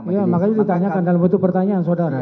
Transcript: ya makanya ditanyakan dalam bentuk pertanyaan saudara